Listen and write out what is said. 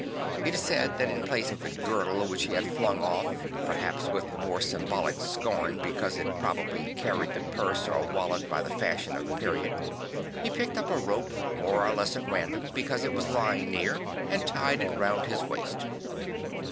It is said that in place of the girdle which he had flung off (perhaps with the more symbolic scorn because it probably carried the purse or wallet by the fashion of the period) he picked up a rope more or less at random, because it was lying near, and tied it round his waist.